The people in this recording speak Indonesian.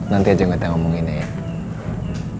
nanti aja gak ada ngomonginnya ya